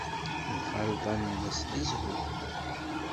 Lemxalḍa-nnes d zzhu.